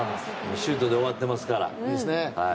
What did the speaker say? シュートで終わってますから。